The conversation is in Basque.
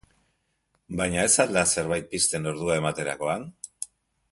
Baina ez al da zerbait pizten ordua ematerakoan?